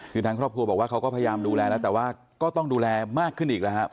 คือทางครอบครัวบอกว่าเขาก็พยายามดูแลแล้วแต่ว่าก็ต้องดูแลมากขึ้นอีกแล้วครับ